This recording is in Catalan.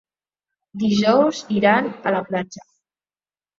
Dijous iran a la platja.